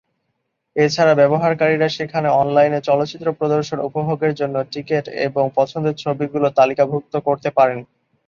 এছাড়া ব্যবহারকারীরা সেখানে অনলাইনে চলচ্চিত্র প্রদর্শন উপভোগের জন্য টিকেট, এবং পছন্দের ছবিগুলো তালিকাভুক্ত করতে পারেন।